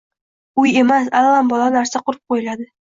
uy emas – allambalo narsa qurib qo‘yiladi.